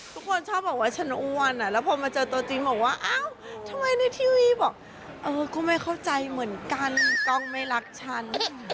ทุกคนชอบบอกว่าฉันอ้วนแล้วพอมาเจอตัวจริงบอกว่าอ้าวทำไมในทีวีบอกเออก็ไม่เข้าใจเหมือนกันกล้องไม่รักฉัน